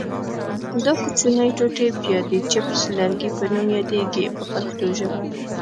دا کوچنۍ ټوټې بیا د چپس لرګي په نوم یادیږي په پښتو ژبه.